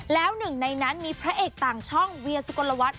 แล้วหนึ่งในนั้นมีพระเอกต่างช่องเวียสุกลวัฒน